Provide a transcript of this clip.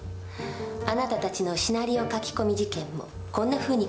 あなたたちのシナリオ書き込み事件もこんなふうに考えていくの。